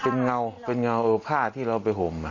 เป็นเงาเป็นเงาผ้าที่เราไปห่ม